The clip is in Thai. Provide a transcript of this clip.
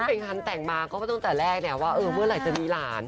เพียงกันแต่งมาก็ตั้งแต่แรกเนี่ยว่าเวอร์ไหร่จะมีหลาน